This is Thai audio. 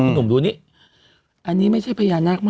หนุ่มดูนี่อันนี้ไม่ใช่พญานาคมาก